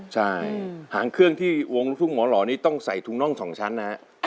ใช่หางเครื่องที่วงลูกทุ่งหมอหล่อนี้ต้องใส่ถุงน่อง๒ชั้นนะฮะ